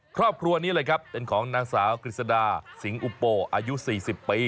ครอบครัวนี้เลยครับเป็นของนางสาวกฤษดาสิงหุโปอายุ๔๐ปี